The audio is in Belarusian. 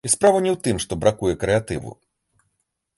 І справа не ў тым, што бракуе крэатыву.